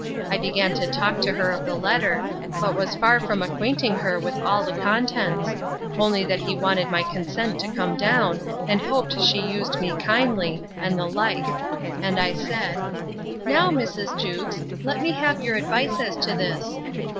I began to talk to her of the letter; but was far from acquainting her with all the contents; only that he wanted my consent to come down, and hoped she used me kindly, and the like. And I said, Now, Mrs. Jewkes, let me have your advice as to this.